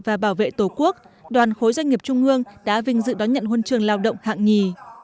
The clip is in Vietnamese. và bảo vệ tổ quốc đoàn khối doanh nghiệp trung ương đã vinh dự đón nhận huân trường lao động hạng nhì